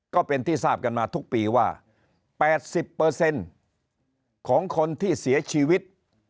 ก็เป็นที่ทราบกันมาทุกปีว่า๘๐ของคนที่เสียชีวิต